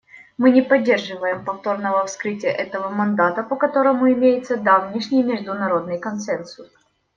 Мы не поддерживаем повторного вскрытия этого мандата, по которому имеется давнишний международный консенсус.